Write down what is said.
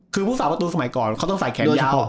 คือฟุตฟอลตัวสมัยก่อนเขาต้องใส่แขนยาว